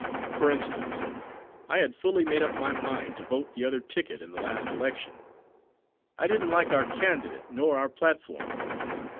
For instance, I had fully made up my mind to vote the other ticket in the last election. I didn't like our candidate nor our platform.